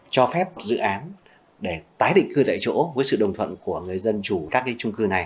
cho phép dự án để tái định cư tại chỗ với sự đồng thuận của người dân chủ các cái trung cư này